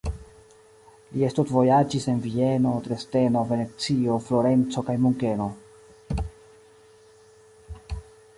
Li studvojaĝis en Vieno, Dresdeno, Venecio, Florenco kaj Munkeno.